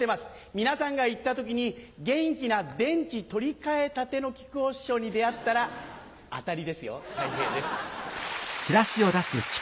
皆さんが行った時に元気な電池取り換えたての木久扇師匠に出会ったら当たりですよたい平です。